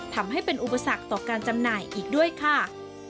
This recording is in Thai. ทำให้เป็นอุปสรรคต่อการจำหน่ายอีกด้วยค่ะ